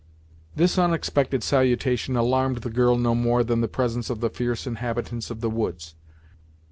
This unexpected salutation alarmed the girl no more than the presence of the fierce inhabitants of the woods.